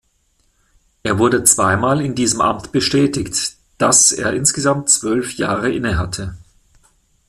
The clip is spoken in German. Er wurde zweimal in diesem Amt bestätigt, dass er insgesamt zwölf Jahre innehatte.